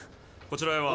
こちらへは。